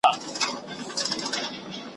د ژوندون وروستی غزل مي پر اوربل درته لیکمه `